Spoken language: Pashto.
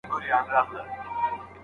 که د پلار خبره واورې، تاوان به ونه کړې.